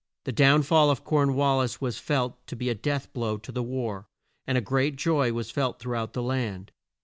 The down fall of Corn wal lis was felt to be a death blow to the war, and great joy was felt through out the land.